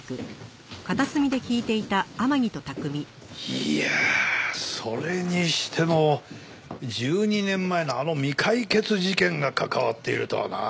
いやあそれにしても１２年前のあの未解決事件が関わっているとはなあ。